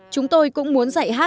chúng tôi cũng muốn dạy hát cho lớp em